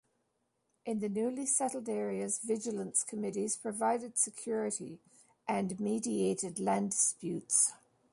In the newly settled areas, vigilance committees provided security, and mediated land disputes.